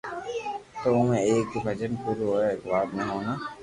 تو اووي ايڪ ڀجن ڀيرو ايڪ وات ني مونتا